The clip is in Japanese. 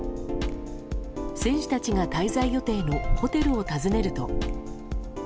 選手たちが滞在予定のホテルを訪ねると。